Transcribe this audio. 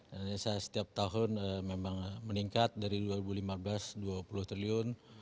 ini saya setiap tahun memang meningkat dari dua ribu lima belas dua puluh triliun